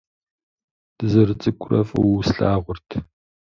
Дызэрыцӏыкӏурэ фӏыуэ услъагъурт.